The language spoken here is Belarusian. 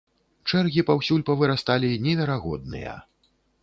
Чэргі паўсюль павырасталі неверагодныя.